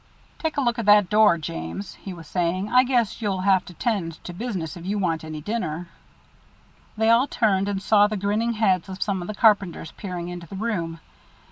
"Take a look at that door, James," he was saying. "I guess you'll have to tend to business if you want any dinner." They all turned and saw the grinning heads of some of the carpenters peering into the room.